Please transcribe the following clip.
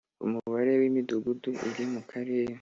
umubare w Imidugudu iri mu Karere